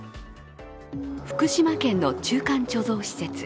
福島県の中間貯蔵施設。